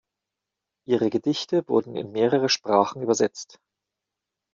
Ihre Gedichte wurden in mehrere Sprachen übersetzt.